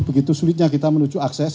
begitu sulitnya kita menuju akses